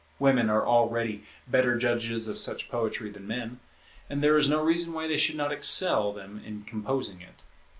Women are already better judges of such poetry than men; and there is no reason why they should not excel them in composing it.